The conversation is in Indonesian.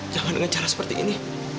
jangan dengan cara seperti ini